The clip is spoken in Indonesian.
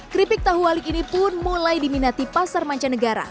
keripik tahu walik ini pun mulai diminati pasar mancanegara